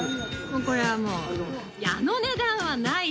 これはもうあの値段はないですよ。